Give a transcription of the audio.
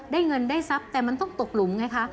ได้เงินได้ทรัพย์แต่มันต้องตกหลุมไงคะ